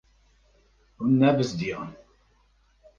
Hûn nebizdiyan.